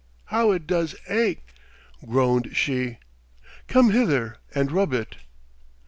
How it does ache," groaned she. "Come hither and rub it."